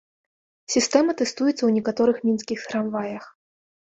Сістэма тэстуецца ў некаторых мінскіх трамваях.